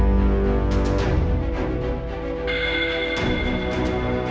sampai jumpa di video selanjutnya